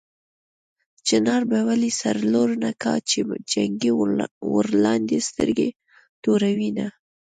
چنار به ولې سر لوړ نه کا چې جنکۍ ورلاندې سترګې توروينه